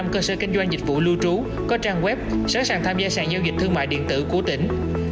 ba mươi bốn mươi cơ sở kinh doanh dịch vụ lưu trú có trang web sẵn sàng tham gia sàn giao dịch thương mại điện tử của tỉnh